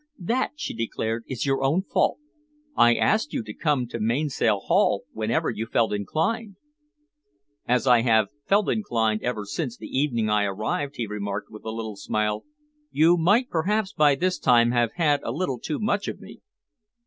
"That," she declared, "is your own fault. I asked you to come to Mainsail Haul whenever you felt inclined." "As I have felt inclined ever since the evening I arrived," he remarked with a smile, "you might, perhaps, by this time have had a little too much of me."